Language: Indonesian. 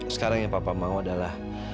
sekarang yang papa mau adalah